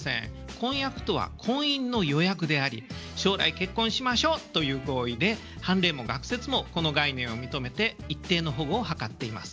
婚約とは「婚姻の予約」であり「将来結婚しましょう」という合意で判例も学説もこの概念を認めて一定の保護を図っています。